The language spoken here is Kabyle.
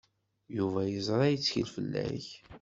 Yuba yeẓra yettkel fell-ak.